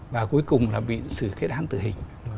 và cuối cùng là bị sự kết hãn tự hình